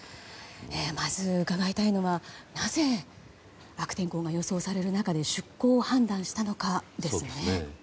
まず伺いたいのはなぜ、悪天候が予想される中で出航を判断したのかですよね。